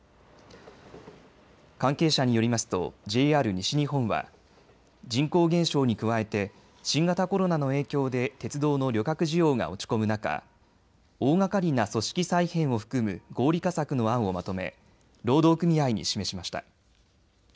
関係者によりますとＪＲ西日本は人口減少に加えて新型コロナの影響で鉄道の旅客需要が落ち込む中、大がかりな組織再編を含む合理化策の案をまとめ労働組合に示しました。